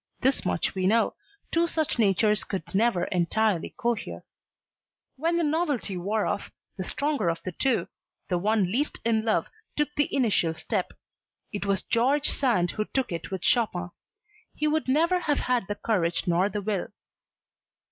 This much we know: two such natures could never entirely cohere. When the novelty wore off the stronger of the two the one least in love took the initial step. It was George Sand who took it with Chopin. He would never have had the courage nor the will.